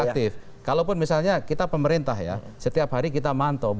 aktif kalaupun misalnya kita pemerintah ya setiap hari kita mantau